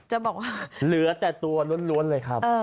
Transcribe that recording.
เหลือแต่ตัวล้วนเลยครับ